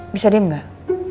bisa diem gak